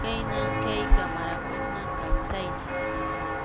Khaynam kay qamarakunap kawsaynin.